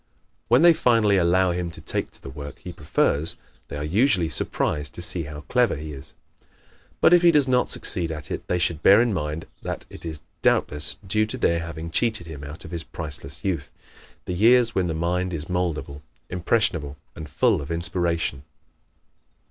When they finally allow him to take to the work he prefers they are usually surprised to see how clever he is. But if he does not succeed at it they should bear in mind that it is doubtless due to their having cheated him out of his priceless youth the years when the mind is moldable, impressionable and full of inspiration.